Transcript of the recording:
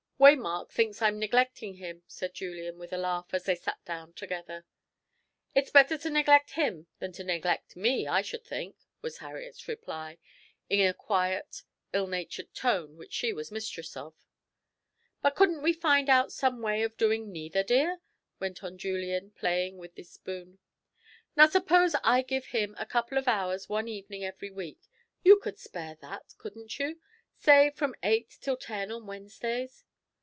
"Waymark thinks I'm neglecting him," said Julian, with a laugh, as they sat down together. "It's better to neglect him than to neglect me, I should think," was Harriet's reply, in a quiet ill natured tone which she was mistress of. "But couldn't we find out some way of doing neither, dear?" went on Julian, playing with his spoon. "Now suppose I give him a couple of hours one evening every week? You could spare that, couldn't you? Say, from eight to ten on Wednesdays?"